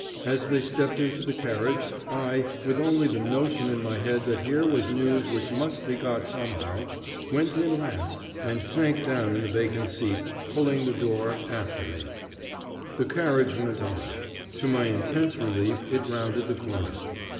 As they stepped into the carriage, I, with only the notion in my head that here was news which must be got somehow, went in last and sank down in the vacant seat, pulling the door to after me. The carriage went on. To my intense relief, it rounded the corner.